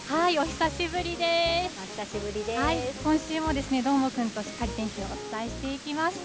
今週もどーもくんとしっかり天気を伝えていきます。